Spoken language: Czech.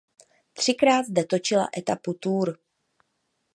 Třikrát zde končila etapa Tour.